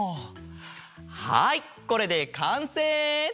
はいこれでかんせい！